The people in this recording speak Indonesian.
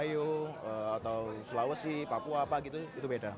atau arbayo atau sulawesi papua apa gitu itu beda